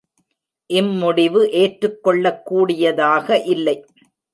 இம்முடிவு ஏற்றுக்கொள்ளக் கூடியதாக இல்லை.